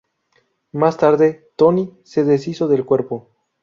Más tarde Tony se deshizo del cuerpo.